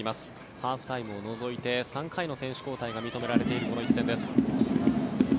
ハーフタイムを除いて３回の選手交代が認められているこの一戦です。